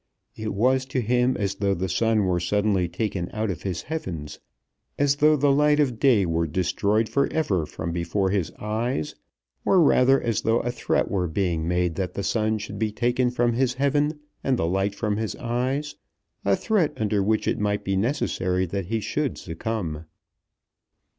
It was to him as though the sun were suddenly taken out of his heaven, as though the light of day were destroyed for ever from before his eyes, or rather as though a threat were being made that the sun should be taken from his heaven and the light from his eyes, a threat under which it might be necessary that he should succumb.